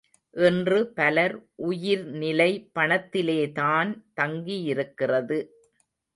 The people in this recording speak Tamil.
இன்று பலர் உயிர்நிலை பணத்திலேதான் தங்கியிருக்கிறது.